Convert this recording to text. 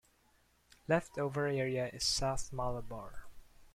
Left-over area is South Malabar.